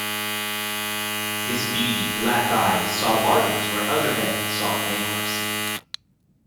His beady black eyes saw bargains where other men saw bankruptcy.